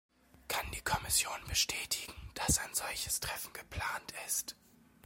Kann die Kommission bestätigen, dass ein solches Treffen geplant ist?